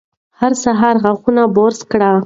هر سهار غاښونه برس کړئ.